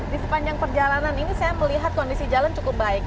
di sepanjang perjalanan ini saya melihat kondisi jalan cukup baik